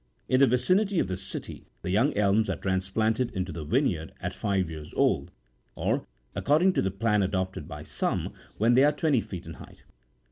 In the vicinity of the City, the young elms are transplanted into the vinejTard at five years old, or, according to the plan adopted by some, when they are twenty feet in height.